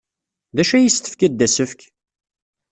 D acu ay as-tefkid d asefk?